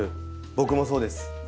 僕もそうです。